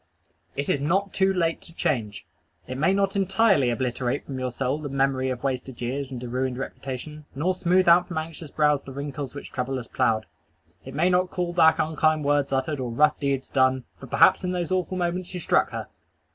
It is not too late to change. It may not entirely obliterate from your soul the memory of wasted years and a ruined reputation, nor smooth out from anxious brows the wrinkles which trouble has ploughed. It may not call back unkind words uttered or rough deeds done for perhaps in those awful moments you struck her!